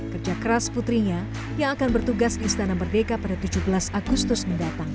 kerja keras putrinya yang akan bertugas di istana merdeka pada tujuh belas agustus mendatang